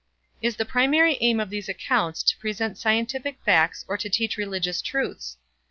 Is the primary aim of these accounts to present scientific facts or to teach religious truths?